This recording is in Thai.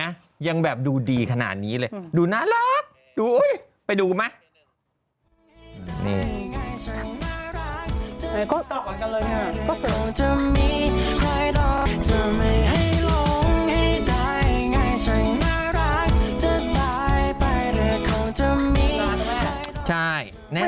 ทำไมไม่ได้ซิงค์อะไรบ้าแล้ว